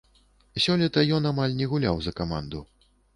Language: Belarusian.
Сёлета ён амаль не гуляў за каманду.